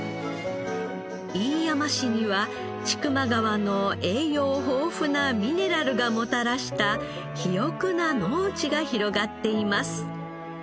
飯山市には千曲川の栄養豊富なミネラルがもたらした肥沃な農地が広がっています。